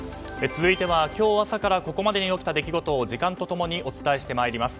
続いては、今日朝からここまでに起きた出来事を時間と共にお伝えして参ります。